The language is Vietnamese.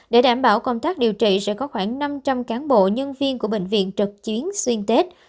để đảm bảo công tác điều trị sẽ có khoảng năm trăm linh cán bộ nhân viên của bệnh viện trực chiến xuyên tết